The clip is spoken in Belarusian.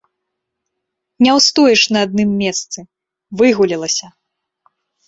Не ўстоіш на адным месцы, выгулялася!